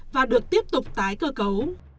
và được tiếp tục tái cơ cấu